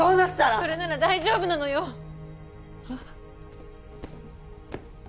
それなら大丈夫なのよはっ？